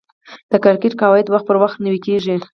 د کرکټ قواعد وخت پر وخت نوي کیږي.